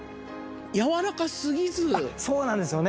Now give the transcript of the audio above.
やわらかすぎずそうなんですよね